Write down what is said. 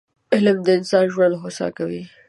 علم د انسان ژوند هوسا کوي